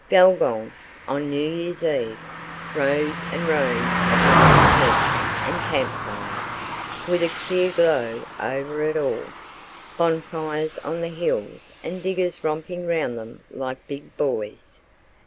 Gulgong on New Year's Eve! Rows and rows of lighted tents and camp fires, with a clear glow over it all. Bonfires on the hills and diggers romping round them like big boys.